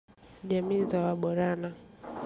jamii za Waborana